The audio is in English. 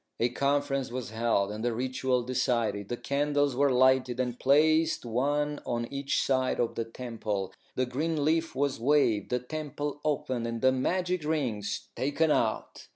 A conference was held, and the ritual decided. The candles were lighted, and placed one on each side of the temple. The green leaf was waved, the temple opened, and the magic rings taken out.